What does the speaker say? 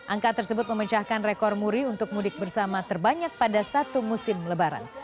angka tersebut memecahkan rekor muri untuk mudik bersama terbanyak pada satu musim lebaran